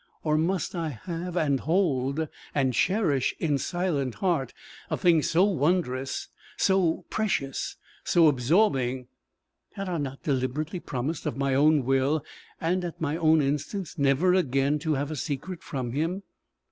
or must I have, and hold, and cherish in silent heart, a thing so wondrous, so precious, so absorbing? Had I not deliberately promised of my own will and at my own instance never again to have a secret from him?